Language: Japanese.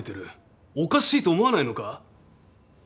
おかしいと思わないのか？